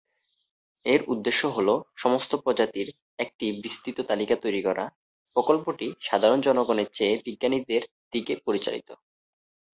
এর উদ্দেশ্য হ'ল সমস্ত প্রজাতির একটি বিস্তৃত তালিকা তৈরি করা; প্রকল্পটি সাধারণ জনগণের চেয়ে বিজ্ঞানীদের দিকে পরিচালিত।